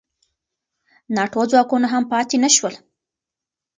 ناټو ځواکونه هم پاتې نه شول.